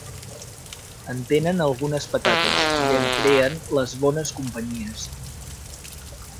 En tenen algunes patates i en creen les bones companyies.